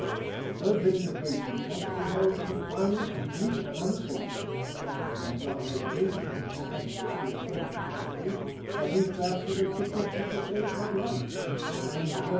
Her vindication must be held to be final, complete and unassailable, when John A. Bingham is anxious to acquaint the country that he drafted a petition to save her life; when J.